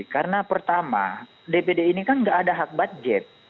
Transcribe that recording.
karena pertama dpd ini kan nggak ada hak budget